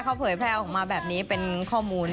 เขาเผยแพร่ออกมาแบบนี้เป็นข้อมูล